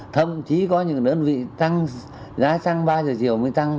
thậm chí có những đơn vị giá tăng ba giờ chiều mới tăng